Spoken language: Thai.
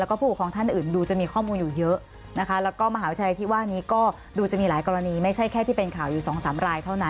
แล้วก็ผู้ของท่านอื่นดูจะมีข้อมูลอยู่เยอะ